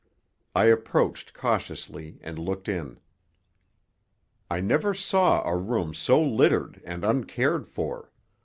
I approached cautiously and looked in. I never saw a room so littered and uncared for.